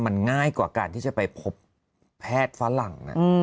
มันง่ายกว่าการที่จะไปพบแพทย์ฝรั่ง